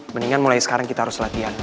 mendingan mulai sekarang kita harus latihan